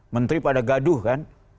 menteri pada gaduh kan